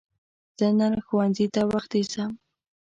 زه نن ښوونځی ته وختی ځم